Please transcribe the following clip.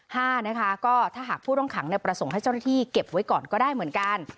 ห้านะคะก็ถ้าหากผู้ต้องขังประสงค์ให้เจ้าหน้าที่เก็บไว้ก่อนก็ได้เหมือนกัน